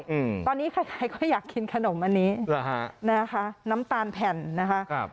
อืมตอนนี้ใครใครก็อยากกินขนมอันนี้เหรอฮะนะคะน้ำตาลแผ่นนะคะครับ